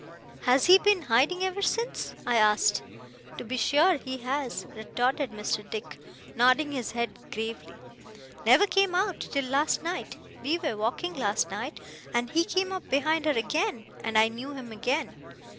'HAS he been hiding ever since?' I asked. 'To be sure he has,' retorted Mr. Dick, nodding his head gravely. 'Never came out, till last night! We were walking last night, and he came up behind her again, and I knew him again.